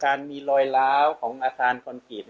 การมีรอยเล้าของอาทารคอนกรีด